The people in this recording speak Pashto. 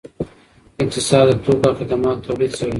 اقتصاد د توکو او خدماتو تولید څیړي.